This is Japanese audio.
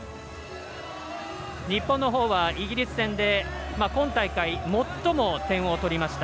日本のほうはイギリス戦で今大会、最も点を取りました。